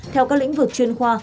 theo các lĩnh vực chuyên khoa